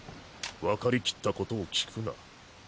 わかりきったことを聞くな。